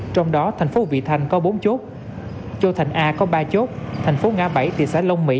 trong đó thành phố vị thanh có bốn chốt châu thành a có ba chốt thành phố ngã bảy thị xã long mỹ